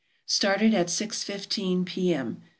Started at six fifteen P.M.